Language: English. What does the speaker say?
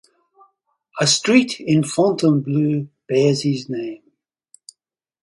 A street in Fontainebleau bears his name.